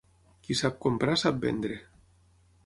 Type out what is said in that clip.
Qui sap comprar, sap vendre.